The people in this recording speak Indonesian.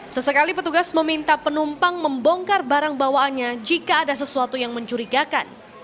sesekali petugas meminta penumpang membongkar barang bawaannya jika ada sesuatu yang mencurigakan